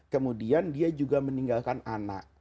kemudian dia juga meninggalkan anak